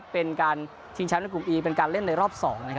เป็นการเล่นในรอบ๒